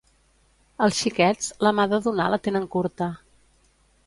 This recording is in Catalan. Els xiquets, la mà de donar la tenen curta.